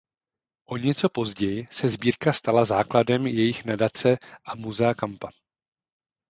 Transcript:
O něco později se sbírka stala základem jejich nadace a Musea Kampa.